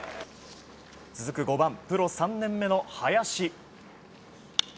続く５番、プロ３年目の林。